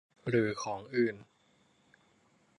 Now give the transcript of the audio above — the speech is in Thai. หรือของอื่น